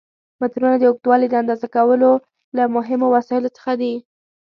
مترونه د اوږدوالي د اندازه کولو له مهمو وسایلو څخه دي.